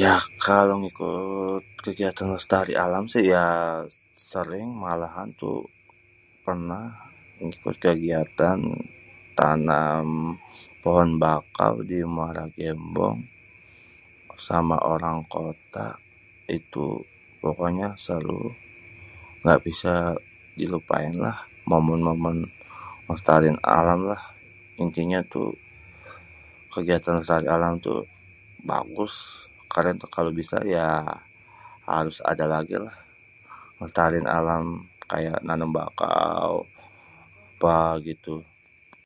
Yah kalo ngikut kegiatan lestari alam sih ya sering, malahan tuh pernah ngikut kegiatan tanam pohon bakau di Muara Gembong sama orang kota. Itu pokoknya seru, gak bisa dilupain lah momen-momen ngelestariin alam lah. Intinya tu kegiatan lestari alam tu bagus. Karena itu kalo bisa ya harus ada lagi lah, ngelestariin alam kayak nanem bakau apa gitu.